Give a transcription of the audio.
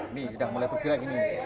ini sudah mulai bergerak ini